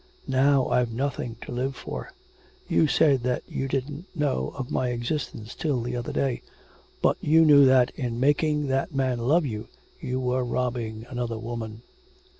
Now I've nothing to live for.... You said that you didn't know of my existence till the other day. But you knew that, in making that man love you, you were robbing another woman.'